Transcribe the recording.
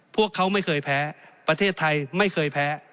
พวกเขาไม่เคยแพ้ประเทศไทยไม่เคยแพ้